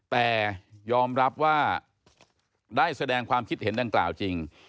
แต่ยอมรับว่าได้แสดงความคิดเห็นดังกล่าวจริง